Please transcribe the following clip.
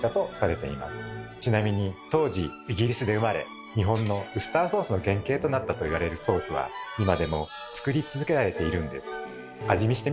ちなみに当時イギリスで生まれ日本のウスターソースの原形となったと言われるソースは今でも作り続けられているんです。